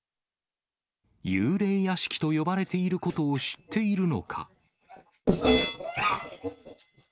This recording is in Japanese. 幽霊屋敷と呼ばれていることを知っているのか。